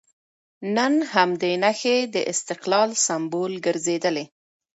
نن همدې نښې د استقلال سمبول ګرځېدلي.